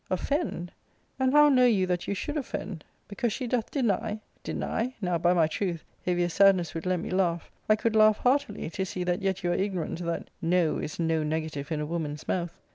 Offend ? and how know you that you should offend — because she doth deny ? Deny ? now, by my truth, if your sadness would let me laugh, I could laugh heartily, to see that yet you are ignorant that * No ' is no negative in a woman's mouth.